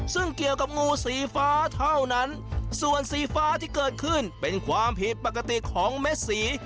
ซึ่งเกี่ยวกับงูสีฟ้าเท่านั้นส่วนสีฟ้าที่เกิดขึ้นเป็นความผิดปกติของเม็ดสี